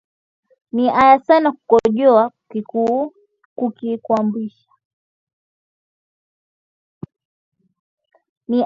Ni aya sana kukojoa kukibumbashi